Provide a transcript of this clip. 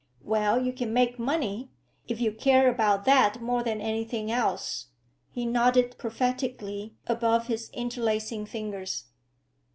Well, you can make money, if you care about that more than anything else." He nodded prophetically above his interlacing fingers.